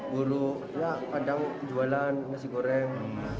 buruk ya kadang jualan nasi goreng